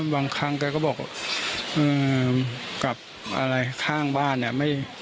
บางครั้งแกก็บอกกับอะไรข้างบ้านเนี่ย